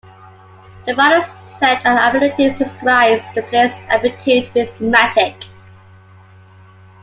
The final set of abilities describes the player's aptitude with magic.